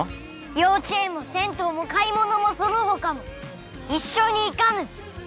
幼稚園も銭湯も買い物もその他も一緒に行かぬ！